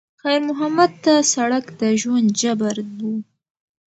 خیر محمد ته سړک د ژوند جبر و.